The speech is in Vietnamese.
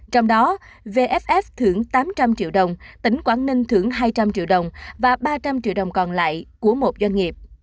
trong đó vff thưởng tám trăm linh triệu đồng tỉnh quảng ninh thưởng hai trăm linh triệu đồng và ba trăm linh triệu đồng còn lại của một doanh nghiệp